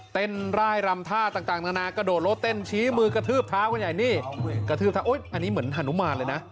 ร่ายรำท่าต่างนานากระโดดรถเต้นชี้มือกระทืบเท้ากันใหญ่นี่กระทืบเท้าโอ๊ยอันนี้เหมือนฮานุมานเลยนะ